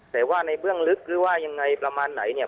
แต่ว่าในเบื้องลึกหรือว่ายังไงประมาณไหนเนี่ย